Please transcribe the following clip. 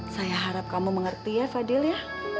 saya harap kamu mengerti ya fadil ya